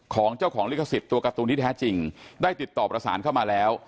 ของเจ้าของลิขสิทธิ์ตัวการ์ตูนที่แท้จริงได้ติดต่อประสานเข้ามาแล้ว